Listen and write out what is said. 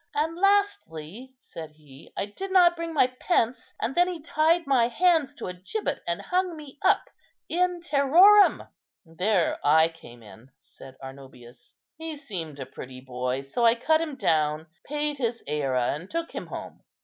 "And lastly," said he, "I did not bring my pence, and then he tied my hands to a gibbet, and hung me up in terrorem." "There I came in," said Arnobius; "he seemed a pretty boy, so I cut him down, paid his æra, and took him home."